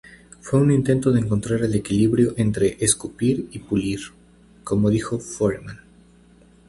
Fue un intento de encontrar el equilibrio entre "escupir y pulir", como dijo Foreman.